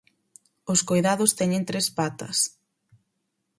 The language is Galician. Os coidados teñen tres patas.